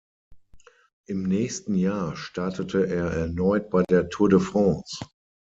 Im nächsten Jahr startete er erneut bei der Tour de France.